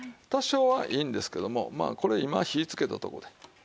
多少はいいんですけどもまあこれ今火つけたとこで。